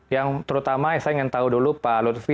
yang terutama saya ingin tahu dulu pak lutfi